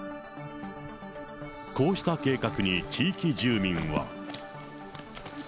こうした計画に地域住民は。